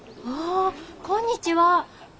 ああこんにちは。